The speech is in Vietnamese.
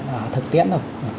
và thực tiễn